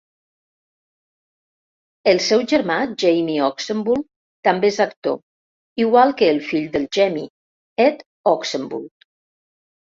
El seu germà Jamie Oxenbould també es actor, igual que el fill del Jamie, Ed Oxenbould.